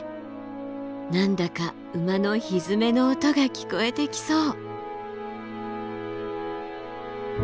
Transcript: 何だか馬の蹄の音が聞こえてきそう！